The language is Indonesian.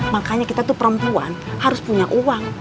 makanya kita tuh perempuan harus punya uang